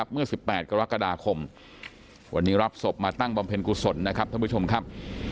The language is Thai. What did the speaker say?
เมื่อ๑๘กรกฎาคมวันนี้รับศพมาตั้งบำเพ็ญกุศลนะครับท่านผู้ชมครับ